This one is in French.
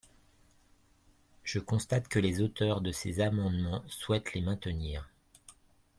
Je constate que les auteurs de ces amendements souhaitent les maintenir.